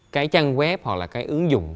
cái trang web hoặc là cái ứng dụng